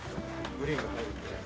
グリーンが入るんでね。